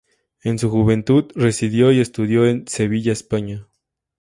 En su juventud residió y estudió en Sevilla, España.